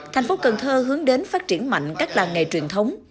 tp cần thơ hướng đến phát triển mạnh các làng nghề truyền thống